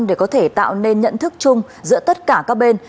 để có thể tạo nên nhận thức chung giữa tất cả các bên